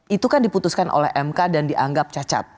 itu kan diputuskan oleh mk dan dianggap cacat